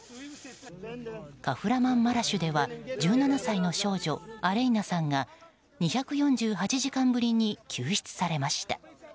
カフラマンマラシュでは１７歳の少女、アレイナさんが２４８時間ぶりに救出されました。